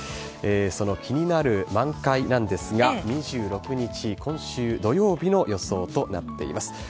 その気になる満開なんですが、２６日、今週土曜日の予想となっています。